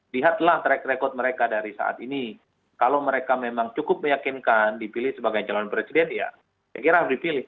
lihatlah track record mereka dari saat ini kalau mereka memang cukup meyakinkan dipilih sebagai calon presiden ya saya kira harus dipilih